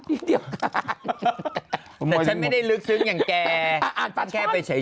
แต่ฉันไม่ได้ลึกซึ้งอย่างแกอ่านฟันแกไปเฉย